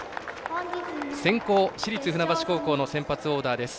先攻、市立船橋高校の先発オーダーです。